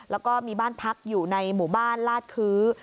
แล้วก็มีบ้านพักอยู่ในหมู่บ้านลาดคื้อ